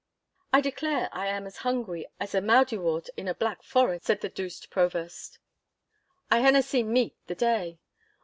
'I declare I am as hungry as a moudiewort in a black frost,' said the douce Provost. 'I haena seen meat the day.